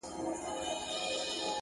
موږ د غني افغانستان په لور قدم ايښی دی;